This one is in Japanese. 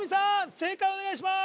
正解お願いします